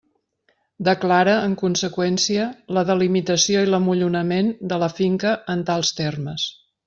Declare, en conseqüència, la delimitació i l'amollonament de la finca en tals termes.